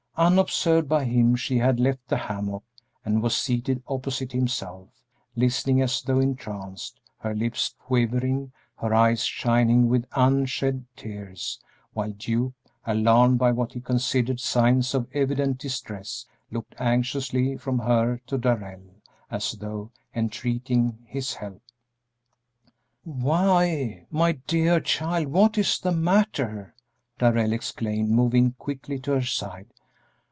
Unobserved by him she had left the hammock and was seated opposite himself, listening as though entranced, her lips quivering, her eyes shining with unshed tears, while Duke, alarmed by what he considered signs of evident distress, looked anxiously from her to Darrell as though entreating his help. "Why, my dear child, what is the matter?" Darrell exclaimed, moving quickly to her side.